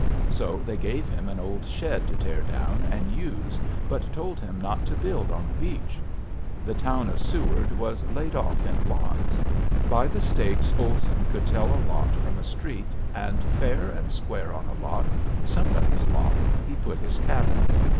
So they gave him an old shed to tear down and use but told him not to build on the beach. The town of Seward was laid off in lots. By the stakes Olson could tell a lot from a street, and fair and square on a lot, somebody's lot, he put his cabin.